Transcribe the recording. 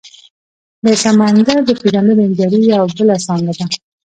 د سمندر پیژندنې انجنیری یوه بله څانګه ده.